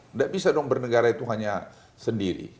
nggak bisa dong bernegara itu hanya sendiri